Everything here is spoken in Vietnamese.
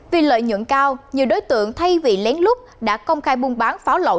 vì lợi nhuận cao nhiều đối tượng thay vì lén lút đã công khai buôn bán pháo lậu